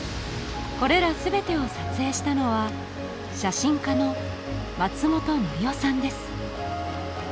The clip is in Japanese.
これら全てを撮影したのは写真家の松本紀生さんです